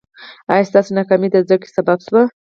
ایا ستاسو ناکامي د زده کړې سبب شوه؟